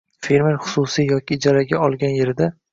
«Fermer — xususiy yoki ijaraga olgan yerida